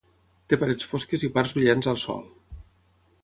Té parets fosques i parts brillants al sòl.